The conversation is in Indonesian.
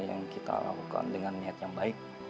yang kita lakukan dengan niat yang baik